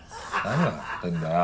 何笑ってんだよ！